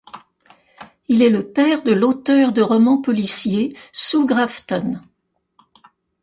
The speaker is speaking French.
Il est le père de l’auteure de roman policier Sue Grafton.